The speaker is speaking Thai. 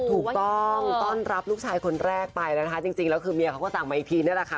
ถูกต้องต้อนรับลูกชายคนแรกไปนะคะจริงแล้วคือเมียเขาก็สั่งมาอีกทีนี่แหละค่ะ